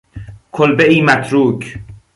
کلبهای متروک